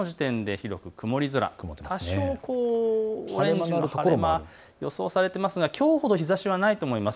多少、晴れ間の出る所も予想されていますが、きょうほど日ざしはないと思います。